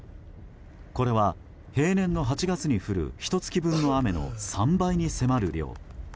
これは平年の８月に降るひと月分の雨の３倍に迫る量。